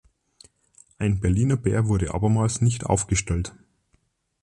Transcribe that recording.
Ein Berliner Bär wurde abermals nicht aufgestellt.